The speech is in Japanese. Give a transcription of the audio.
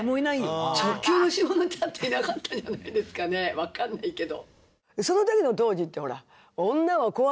わからないけど。